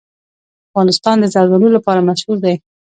افغانستان د زردالو لپاره مشهور دی.